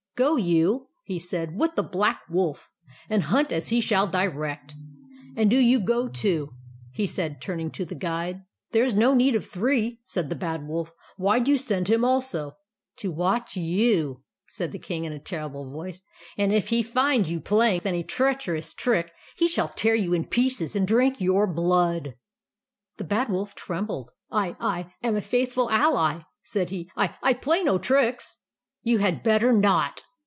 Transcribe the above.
" Go you," he said, " with the Black Wolf, and hunt as he shall direct. And do you go, too," he said, turning to the Guide. " There is no need of three," said the Bad Wolf. " Why do you send him also ?" "To watch you 1 " said the King, in a terrible voice ;" and if he finds you playing any treacherous trick, he shall tear you in pieces and drink your blood !" The Bad Wolf trembled. " I — I — am a faithful ally," said he. "I — I play no tricks." " You had better not